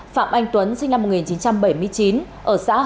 phạm anh tuấn sinh năm một nghìn chín trăm bảy mươi chín